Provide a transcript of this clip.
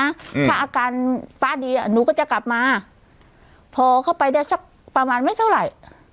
ถ้าอาการฟ้าดีอ่ะหนูก็จะกลับมาพอเข้าไปได้สักประมาณไม่เท่าไหร่